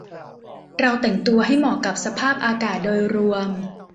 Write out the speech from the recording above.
เราแต่งตัวให้เหมาะกับสภาพอากาศโดยรวม